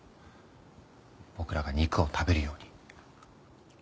僕らが肉を食べるように。